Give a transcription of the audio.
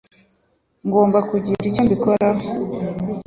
Ngomba kugira icyo mbikoraho